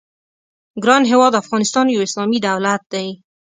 ګران هېواد افغانستان یو اسلامي دولت دی.